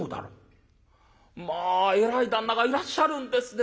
「まあえらい旦那がいらっしゃるんですね。